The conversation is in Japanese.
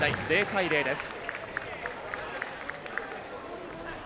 ０対０です。